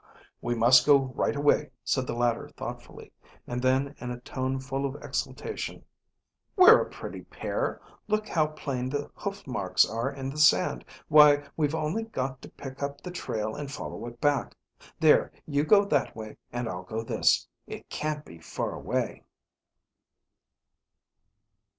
"We might go right away," said the latter thoughtfully, and then in a tone full of exultation, "We're a pretty pair," he cried; "look how plain the hoof marks are in the sand. Why, we've only got to pick up the trail and follow it back. There, you go that way and I'll go this. It can't be far away."